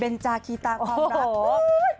เป็นจาคีตาความรัก